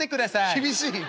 「厳しい！